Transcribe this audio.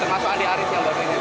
termasuk andi arief yang berhubungan